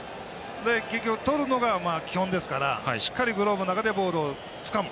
結局、とるのが基本ですからしっかりグローブの中でボールをつかむ。